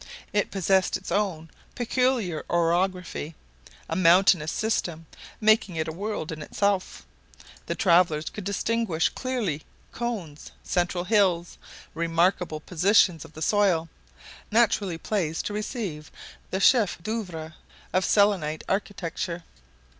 It possessed its own peculiar orography, a mountainous system, making it a world in itself. The travelers could distinguish clearly cones, central hills, remarkable positions of the soil, naturally placed to receive the chefs d'œuvre of Selenite architecture.